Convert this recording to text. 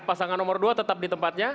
pasangan nomor dua tetap di tempatnya